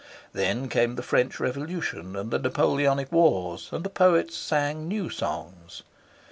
Then came the French Revolution and the Napoleonic Wars, and the poets sang new songs.